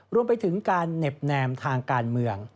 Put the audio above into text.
รวมไปถึงการเหน็บแนมทางการเมือง